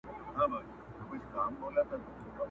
نه د عقل يې خبر د چا منله،